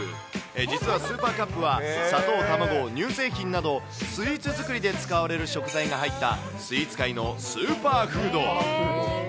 実はスーパーカップは砂糖、卵、乳製品など、スイーツ作りで使われる食材が入ったスイーツ界のスーパーフード。